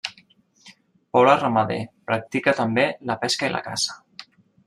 Poble ramader, practica també la pesca i la caça.